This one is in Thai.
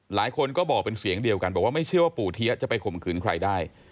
หลายคนก็บอกเป็นเสียงเดียวกันบอกว่าไม่เชื่อว่าปู่เทียจะไปข่มขืนใครได้